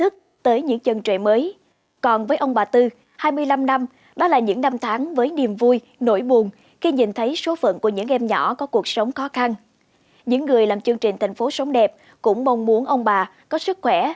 các em cũng mong muốn ông bà có sức khỏe